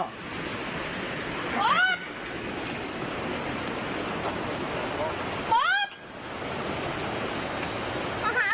ออกมา